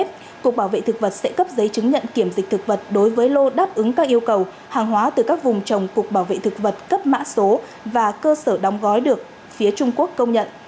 trong đó cục bảo vệ thực vật sẽ cấp giấy chứng nhận kiểm dịch thực vật đối với lô đáp ứng các yêu cầu hàng hóa từ các vùng trồng cục bảo vệ thực vật cấp mã số và cơ sở đóng gói được phía trung quốc công nhận